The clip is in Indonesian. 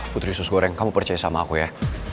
putri susgoreng kamu percaya sama aku ya